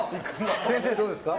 先生はどうですか？